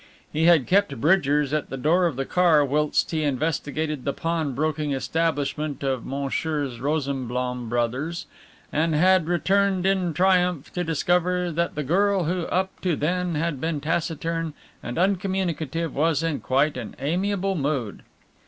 He had kept Bridgers at the door of the car whilst he investigated the pawn broking establishment of Messrs. Rosenblaum Bros., and had returned in triumph to discover that the girl who up to then had been taciturn and uncommunicative was in quite an amiable mood.